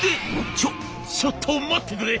「ちょちょっと待ってくれ！